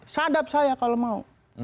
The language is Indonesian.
sadap saya kalau mau